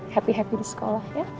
happy happy di sekolah ya